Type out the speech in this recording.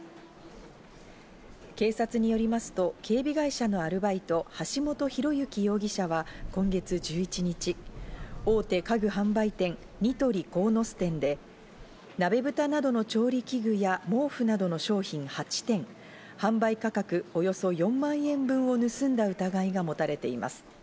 警察によりますと警備会社のアルバイト・橋本寛之容疑者は今月１１日、大手家具販売店・ニトリ鴻巣店で、鍋ぶたなどの調理器具や毛布などの商品８点、販売価格およそ４万円分を盗んだ疑いが持たれています。